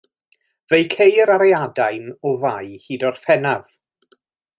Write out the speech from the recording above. Fe'i ceir ar ei adain o Fai hyd Orffennaf.